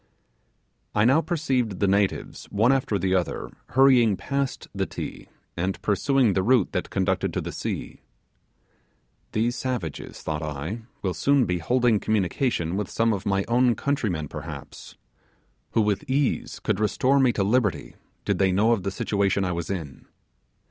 I now perceived the natives one after the other hurrying past the Ti and pursuing the route that conducted to the sea. These savages, thought I, will soon be holding communication with some of my own countrymen perhaps, who with ease could restore me to liberty did they know of the situation I was in.